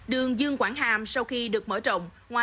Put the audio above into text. đường dương quảng hàm sau khi được mở trọng